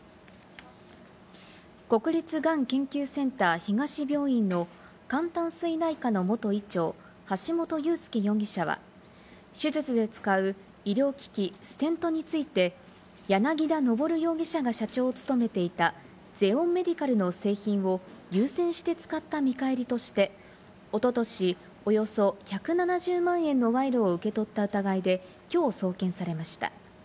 国立がん研究センター東病院の肝胆膵内科の元医長、橋本裕輔容疑者は手術で使う医療機器ステントについて柳田昇容疑者が社長を務めていたゼオンメディカルの製品を優先して使った見返りとして、おととし、およそ１７０万円の賄賂を受け取った疑いで、きょうを送検されました。